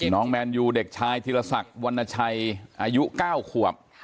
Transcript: น้องแมนยูเด็กชายธิรษักรวรรณชัยอายุ๙ขวบ